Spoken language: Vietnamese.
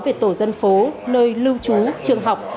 về tổ dân phố nơi lưu trú trường học